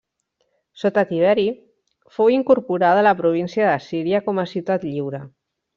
Sota Tiberi, fou incorporada a la província de Síria com a ciutat lliure.